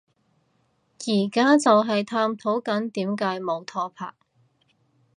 而家就係探討緊點解冇拖拍